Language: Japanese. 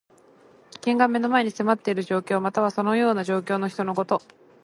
危険が目の前に迫っている状況。または、そのような状況の人のこと。